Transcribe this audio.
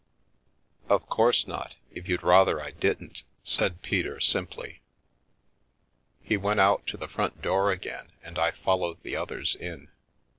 " Of course not, if you'd rather I didn't," said Peter simply. He went out to the front door again and I followed the others in.